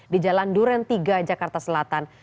di jalan duren tiga jakarta selatan